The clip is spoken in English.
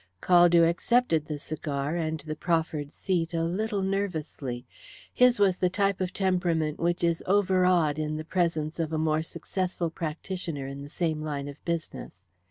Caldew accepted the cigar and the proffered seat a little nervously. His was the type of temperament which is overawed in the presence of a more successful practitioner in the same line of business.